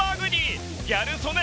ギャル曽根